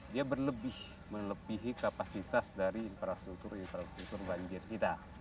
dia berlebih melebihi kapasitas dari infrastruktur infrastruktur banjir kita